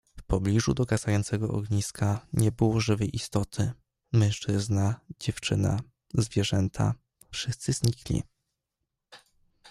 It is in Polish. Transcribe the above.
"W pobliżu dogasającego ogniska nie było żywej istoty: mężczyzna, dziewczyna, zwierzęta wszyscy znikli."